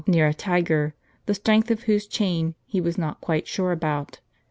near a tiger, the strength of whose chain he was not quite sure about.